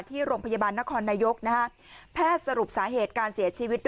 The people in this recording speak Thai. ที่โรงพยาบาลนครนายกแพทย์สรุปสาเหตุการเสียชีวิตด้วย